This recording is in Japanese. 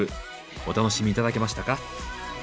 お楽しみ頂けましたか？